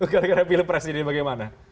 gara gara pilih presiden ini bagaimana